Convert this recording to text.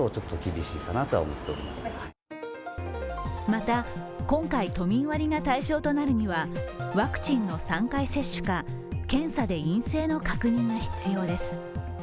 また今回、都民割が対象となるにはワクチンの３回接種か、検査で陰性の確認が必要です。